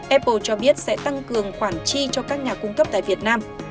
apple cho biết sẽ tăng cường khoản chi cho các nhà cung cấp tại việt nam